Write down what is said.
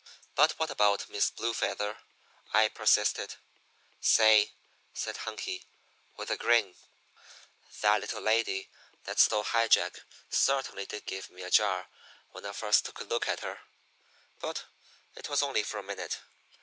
"But what about Miss Blue Feather?" I persisted. "Say," said Hunky, with a grin, "that little lady that stole High Jack certainly did give me a jar when I first took a look at her, but it was only for a minute.